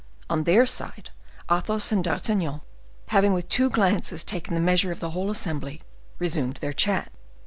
On their side, Athos and D'Artagnan, having with two glances taken the measure of the whole assembly, resumed their chat.